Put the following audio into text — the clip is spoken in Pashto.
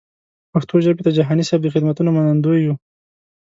پښتو ژبې ته جهاني صېب د خدمتونو منندوی یو.